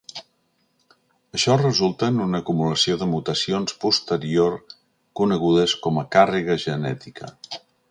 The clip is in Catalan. Això resulta en una acumulació de mutacions posterior conegudes com a càrrega genètica.